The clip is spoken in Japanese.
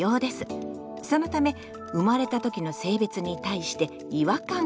そのため生まれた時の性別に対して違和感を持つことがあります。